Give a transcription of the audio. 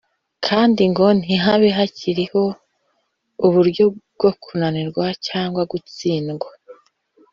kandi ngo ntihabe hakiriho uburyo bwo kunanirwa cyangwa gutsindwa,